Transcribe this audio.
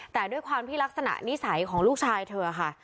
แต่ด้วยความที่ลักษณะนิสัยของลูกชายเธอค่ะ